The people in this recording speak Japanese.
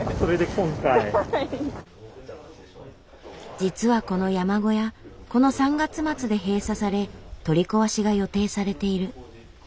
実はこの山小屋この３月末で閉鎖され取り壊しが予定されている。